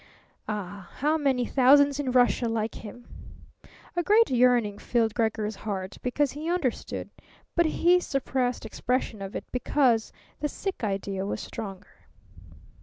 Ah, how many thousands in Russia like him! A great yearning filled Gregor's heart, because he understood; but he suppressed expression of it because the sick idea was stronger.